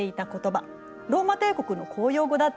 ローマ帝国の公用語だったのよ。